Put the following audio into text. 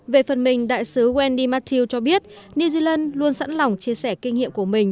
về phần mình đại sứ wendy matthew cho biết new zealand luôn sẵn lòng chia sẻ kinh nghiệm của mình